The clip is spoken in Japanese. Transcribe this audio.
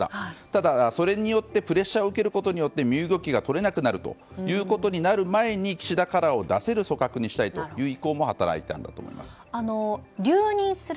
ただ、それによってプレッシャーを受けることによって身動きが取れなくなる前に岸田カラーを出せる組閣にしたいという意向も働いたんだと思います。